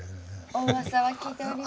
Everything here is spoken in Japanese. おうわさは聞いております。